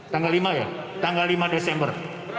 tanggal lima ya tanggal lima desember